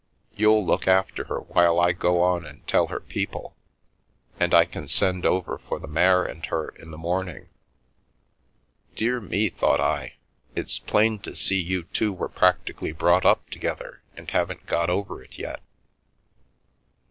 You'll look after her while I go on and tell her people, and I can send over for the mare and her in the morn mg. " Dear me," thought I, " it's plain to see you two were practically brought up together and haven't got over it yet."